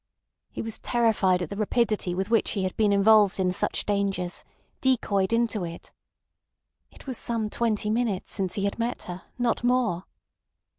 He was terrified at the rapidity with which he had been involved in such dangers—decoyed into it. It was some twenty minutes since he had met her—not more.